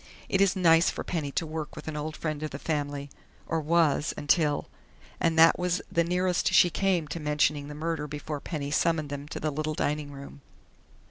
"It is nice for Penny to work with an old friend of the family, or was until " And that was the nearest she came to mentioning the murder before Penny summoned them to the little dining room.